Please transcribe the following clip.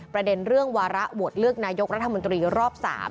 ประเด็นเรื่องวาระโหวตเลือกนายกรัฐมนตรีรอบ๓